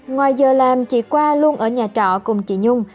ngoài giờ làm chị qua luôn ở nhà trọ cùng chị nhung